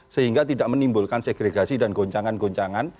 sehingga tidak menimbulkan segregasi dan goncangan goncangan